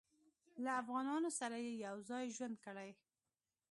له افغانانو سره یې یو ځای ژوند کړی.